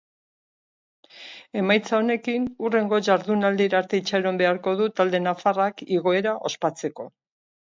Emaitza honekin, hurrengo jardunaldira arte itxaron beharko du talde nafarrak igoera ospatzeko.